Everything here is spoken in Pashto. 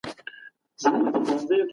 تاسي کله له ژوند څخه خوند اخیستی؟